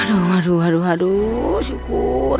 aduh aduh aduh aduh syukur